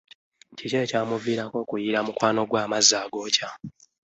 Kiki ekyamuvirako okuyiira mukwano gwe amazzi agookya?